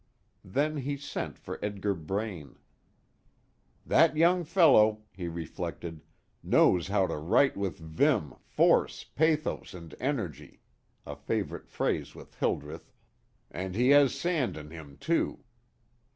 Then he sent for Edgar Braine. "That young fellow," he reflected, "knows how to write with vim, force, pathos, and energy" a favorite phrase with Hildreth "and he has sand in him too.